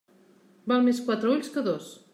Val més quatre ulls que dos.